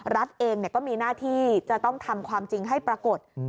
รัฐเองก็มีหน้าที่จะต้องทำความจริงให้ปรากฏ